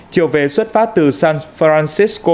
chiều về xuất phát từ san francisco